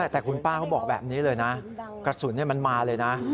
แต่คุณป้าเขาบอกแบบนี้เลยนะกระสุนมันมาเลยนะ